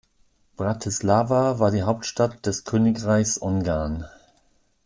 Bratislava war die Hauptstadt des Königreichs Ungarn.